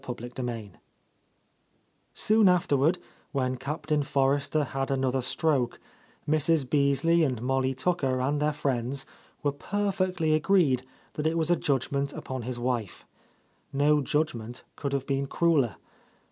•—136— V S OON afterward, when Captain Forrester had another stroke, Mrs. Beasley and Molly Tucker and their friends were per fectly agreed that it was a judgment upon his wife. No judgment could have been crueller.